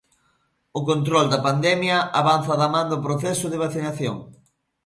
O control da pandemia avanza da man do proceso de vacinación.